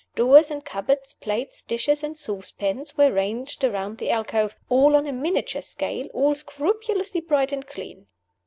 Drawers and cupboards, plates, dishes, and saucepans, were ranged around the alcove all on a miniature scale, all scrupulously bright and clean.